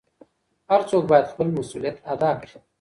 هر څوک بايد خپل مسووليت ادا کړي.